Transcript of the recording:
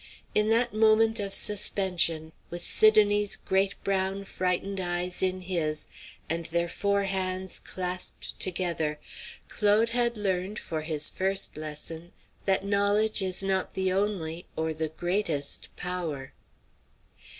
In that moment of suspension, with Sidonie's great brown frightened eyes in his, and their four hands clasped together, Claude had learned, for his first lesson, that knowledge is not the only or the greatest power.